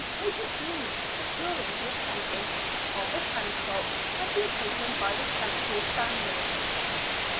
5 potent means for securing the attendance of the townsfolk had been taken by the chantry founders.